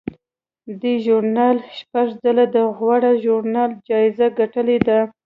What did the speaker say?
دې ژورنال شپږ ځله د غوره ژورنال جایزه ګټلې ده.